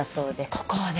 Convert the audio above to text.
ここをね。